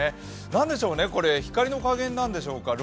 なんでしょうね、光の加減なんでしてょうか。